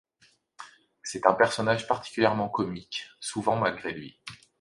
C'est un personnage particulièrement comique, souvent malgré lui.